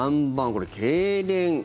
これ、けいれん。